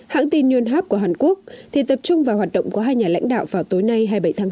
hãng tin nhôn háp của hàn quốc thì tập trung vào hoạt động của hai nhà lãnh đạo vào tối nay hai mươi bảy tháng hai